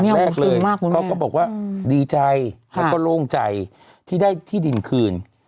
แรกเลยเขาก็บอกว่าดีใจแล้วก็โล่งใจที่ได้ที่ดินคืน